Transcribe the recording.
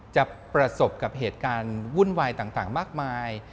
จะประสบกับเหตุการณ์วุ่นวายต่างมากมาย